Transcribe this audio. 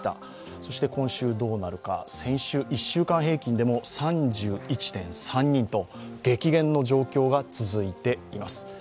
そして今週どうなるか先週１週間平均でも３１．３人と激減の状況が続いています。